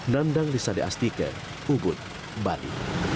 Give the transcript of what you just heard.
nandang lisa de astike ubud bali